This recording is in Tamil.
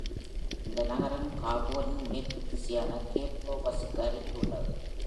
இந்த நகரம் காபோனின் மேற்கு திசையான கேப் லோபஸுக்கு அருகில் உள்ளது.